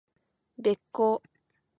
べっ甲